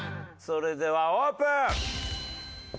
それではオープン！